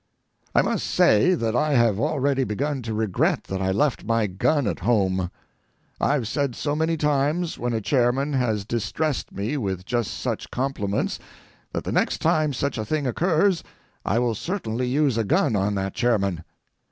I must say that I have already begun to regret that I left my gun at home. I've said so many times when a chairman has distressed me with just such compliments that the next time such a thing occurs I will certainly use a gun on that chairman.